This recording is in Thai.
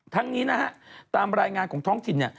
ทั้งนี้นะฮะตามรายงานของท้องถิ่นเนี่ย